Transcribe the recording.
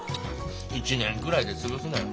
１年くらいで潰すなよ。